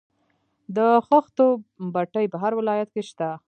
د خښتو بټۍ په هر ولایت کې شته